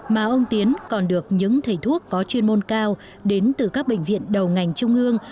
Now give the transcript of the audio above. mà ông tiến còn được những thầy thuốc có chuyên môn cao đến từ các bệnh viện đầu ngành trung ương